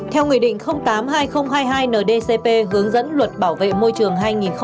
theo nghị định tám hai nghìn hai mươi hai ndcp hướng dẫn luật bảo vệ môi trường hai nghìn hai mươi ba